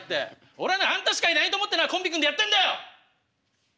俺はなあんたしかいないと思ってなコンビ組んでやってんだよ！